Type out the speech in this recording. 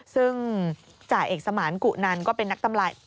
ซึ่งจ่าเอกสมานกุนันก็เป็นนักตำลาย